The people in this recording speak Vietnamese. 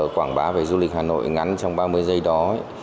quảng bá về du lịch hà nội ngắn trong ba mươi giây đó